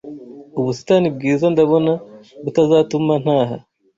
Ubusitani Bwiza ndabona butazatuma ntaha